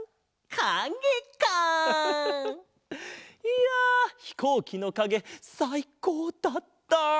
いやひこうきのかげさいこうだった！